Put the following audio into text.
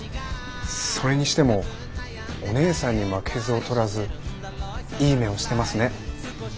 それにしてもお姉さんに負けず劣らずいい目をしてますね。